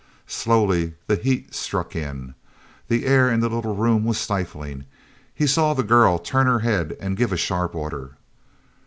Slowly the heat struck in. The air in the little room was stifling. He saw the girl turn her head and give a sharp order.